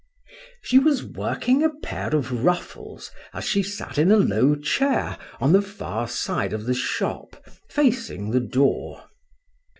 She was working a pair of ruffles, as she sat in a low chair, on the far side of the shop, facing the door.